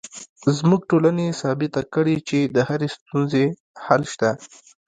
زموږ ټولنې ثابته کړې چې د هرې ستونزې حل شته